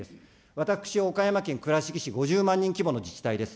私、岡山県倉敷市、５０万人規模の自治体です。